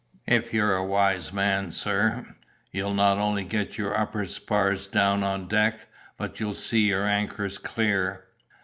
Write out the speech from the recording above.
If you're a wise man, sir, you'll not only get your upper spars down on deck, but you'll see your anchors clear!